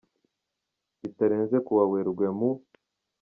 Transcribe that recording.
bitarenze ku wa Werurwe mu.